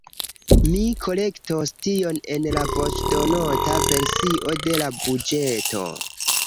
Mi korektos tion en la voĉdonota versio de la buĝeto.